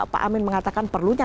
pak amin mengatakan perlunya